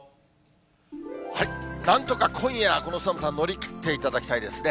なんとか今夜、この寒さ乗り切っていただきたいですね。